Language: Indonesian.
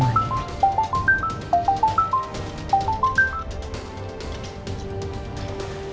udah tau nih bu